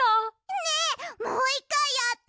ねえもう１かいやって！